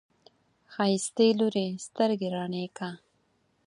ښايستې لورې، سترګې رڼې که!